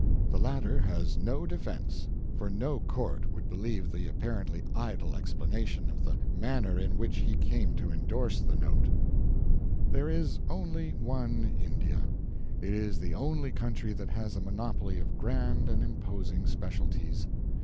The latter has no defense, for no court would believe the apparently idle explanation of the manner in which he came to endorse the note." There is only one India! It is the only country that has a monopoly of grand and imposing specialties.